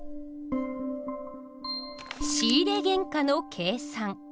「仕入原価の計算」。